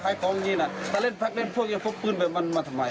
ก็เลยให้ไปสมัยบ้างถ้าเกลียดรถลบปืนแบบนั้นมาทำไม